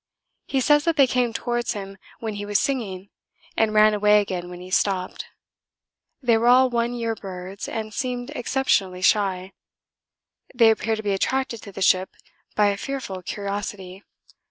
He says that they came towards him when he was singing, and ran away again when he stopped. They were all one year birds, and seemed exceptionally shy; they appear to be attracted to the ship by a fearful curiosity.